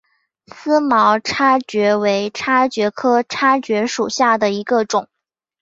思茅叉蕨为叉蕨科叉蕨属下的一个种。